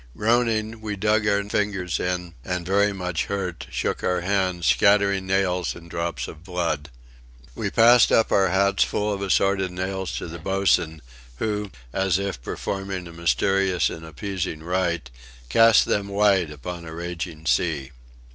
Groaning, we dug our fingers in, and very much hurt, shook our hands, scattering nails and drops of blood. We passed up our hats full of assorted nails to the boatswain, who, as if performing a mysterious and appeasing rite, cast them wide upon a raging sea.